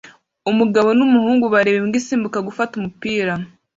Umugabo n'umuhungu bareba imbwa isimbuka gufata umupira